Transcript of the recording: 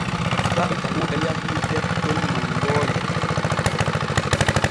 Sukaaɓe janŋooɓe yahii tettol mangooje.